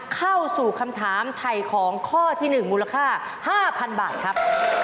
เข้าสู่คำถามไถ่ของข้อที่๑มูลค่า๕๐๐๐บาทครับ